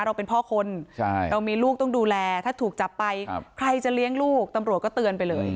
เราเป็นพ่อคนเรามีลูกต้องดูแลถ้าถูกจับไปใครจะเลี้ยงลูกตำรวจก็เตือนไปเลย